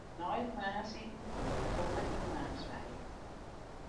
Nei it moarnsiten gie er foar yn in moarnswijing.